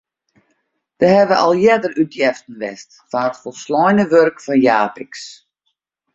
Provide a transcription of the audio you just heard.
Der hawwe al earder útjeften west fan it folsleine wurk fan Japicx.